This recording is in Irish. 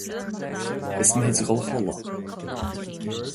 Is mithid dul a chodladh.